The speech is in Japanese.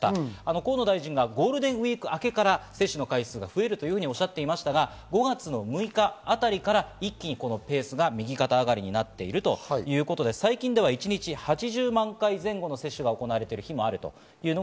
河野大臣がゴールデンウイークは明けから接種の回数が増えるとおっしゃっていましたが、５月の６日あたりから一気にこのペースが右肩上がりになっているということで最近では一日８０万回前後の接種が行われている日もあります。